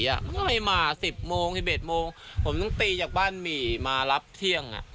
มันจะไปมาสิบโมงที่เวสโมงผมต้องตีจากบ้านมีอ่ะมารับเที่ยงอ่ะ